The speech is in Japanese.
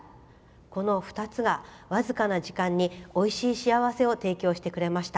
この２つが僅かな時間においしい幸せを提供してくれました。